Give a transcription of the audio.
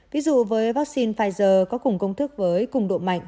ví dụ với vaccine pfizer có cùng công thức với cùng độ mạch